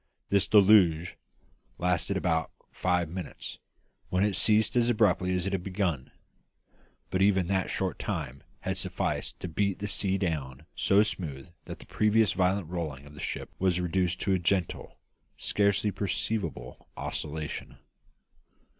This deluge lasted for about five minutes, when it ceased as abruptly as it had begun; but even that short time had sufficed to beat the sea down so smooth that the previous violent rolling of the ship was reduced to a gentle, scarcely perceptible oscillation.